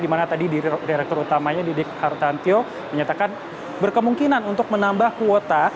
di mana tadi direktur utamanya didik hartantyo menyatakan berkemungkinan untuk menambah kuota